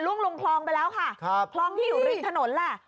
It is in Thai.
ล่วงลงคลองไปแล้วค่ะคลองที่เราทิ้งถนนแหละ